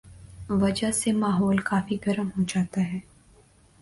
وجہ سے ماحول کافی گرم ہوجاتا ہے